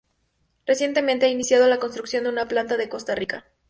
Recientemente, ha iniciado la construcción de una planta en Costa Rica.